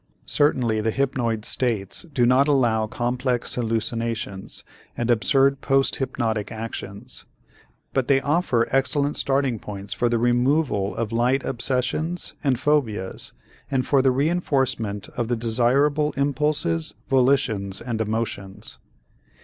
Certainly the hypnoid states do not allow complex hallucinations and absurd post hypnotic actions, but they offer excellent starting points for the removal of light obsessions and phobias and for the reënforcement of desirable impulses, volitions, and emotions.